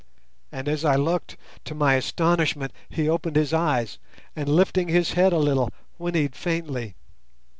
And as I looked, to my astonishment he opened his eyes and, lifting his head a little, whinnied faintly.